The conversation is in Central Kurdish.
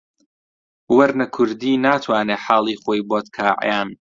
وەرنە کوردی ناتوانێ حاڵی خۆی بۆت کا عەیان